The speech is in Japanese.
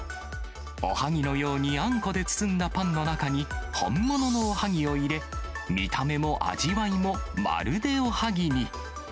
おはぎのようにあんこで包んだパンの中に、本物のおはぎを入れ、見た目も味わいもまるでおはぎに。